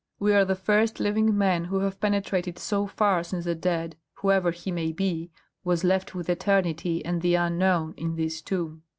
We are the first living men who have penetrated so far since the dead, whoever he may be, was left with eternity and the unknown in this tomb."